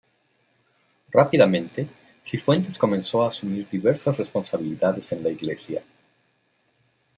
Rápidamente, Cifuentes comenzó a asumir diversas responsabilidades en la Iglesia.